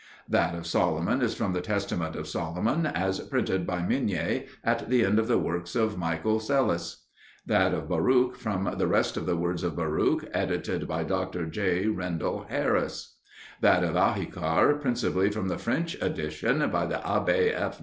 That of Solomon is from The Testament of Solomon as printed by Migne at the end of the works of Michael Psellus. That of Baruch from The Rest of the Words of Baruch, edited by Dr. J. Rendel Harris. That of Ahikar principally from the French edition by the Abbe F.